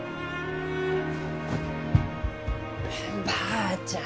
おばあちゃん